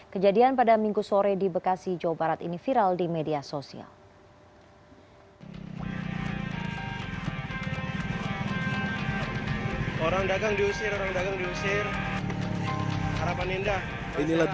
kejadian pada minggu sore di bekasi jawa barat ini viral di media sosial